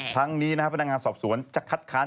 ทั้งนี้นะครับพนักงานสอบสวนจะคัดค้าน